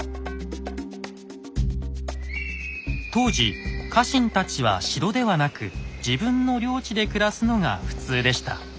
当時家臣たちは城ではなく自分の領地で暮らすのが普通でした。